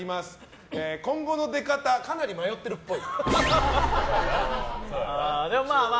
今後の出方かなり迷ってるっぽい。